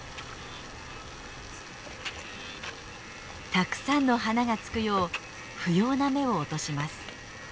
たくさんの花がつくよう不要な芽を落とします。